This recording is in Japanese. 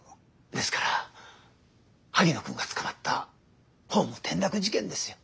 ですから萩野君が捕まったホーム転落事件ですよ。